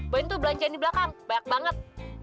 buatin tuh belanjaan di belakang banyak banget